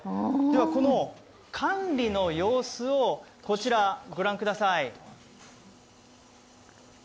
この管理の様子をこちら、ご覧ください。